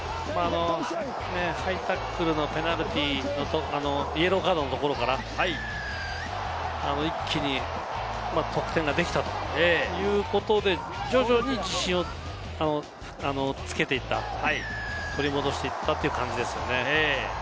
ハイタックルのペナルティー、イエローカードのところから一気に得点ができたということで、徐々に自信をつけていった、取り戻していったという感じですよね。